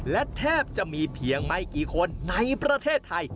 และแทบจะมีเพียงไม่กี่คนในประเทศไทย